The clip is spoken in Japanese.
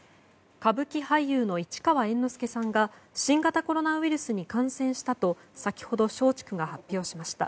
歌舞伎俳優の市川猿之助さんが新型コロナウイルスに感染したと先ほど、松竹が発表しました。